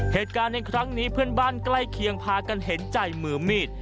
เหตุการณ์ในครั้งนี้เพื่อนบ้านใกล้เคียงพากันเห็นใจมือมีด